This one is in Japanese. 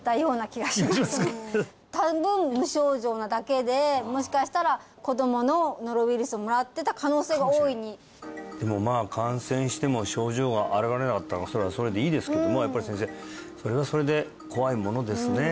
気がしますか多分無症状なだけでもしかしたらでも感染しても症状が現れなかったらそれはそれでいいですけどもやっぱり先生それはそれで怖いものですね